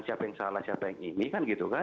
siapa yang salah siapa yang ini